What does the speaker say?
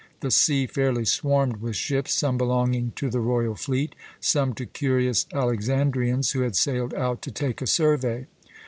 The sea fairly swarmed with ships, some belonging to the royal fleet, some to curious Alexandrians, who had sailed out to take a survey.